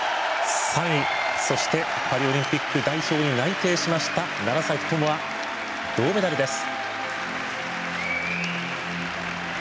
３位、そしてパリオリンピック代表に内定しました楢崎智亜、銅メダルです。